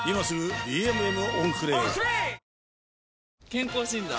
健康診断？